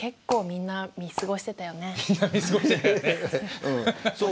みんな見過ごしてたよね。